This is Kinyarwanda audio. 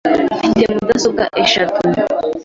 Mfite mudasobwa eshatu .